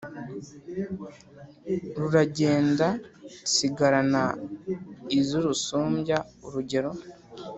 Ruragenda nsigarana izirusumbya urugero :